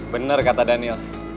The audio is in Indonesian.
bener kata daniel